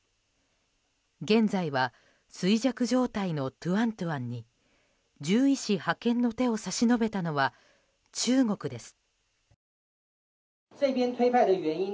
現在は、衰弱状態のトゥアントゥアンに獣医師派遣の手を差し伸べたのは中国です。